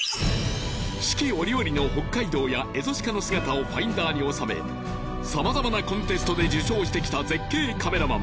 四季折々の北海道やエゾシカの姿をファインダーに収めさまざまなコンテストで受賞してきた絶景カメラマン